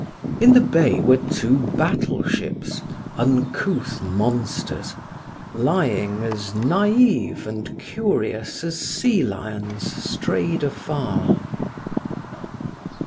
In the bay were two battleships, uncouth monsters, lying as naïve and curious as sea lions strayed afar.